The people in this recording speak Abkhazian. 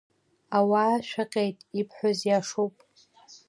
Ауаа шәаҟьеит, ибҳәаз иашоуп!